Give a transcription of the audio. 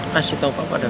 kasih tau papa dan mama